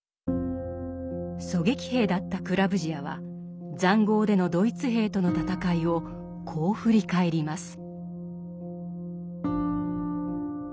狙撃兵だったクラヴヂヤは塹壕でのドイツ兵との戦いをこう振り返ります。